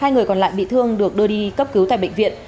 hai người còn lại bị thương được đưa đi cấp cứu tại bệnh viện